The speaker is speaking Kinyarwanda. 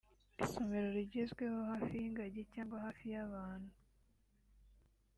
Isomero rigezweho hafi y'ingagi cyangwa hafi y'abantu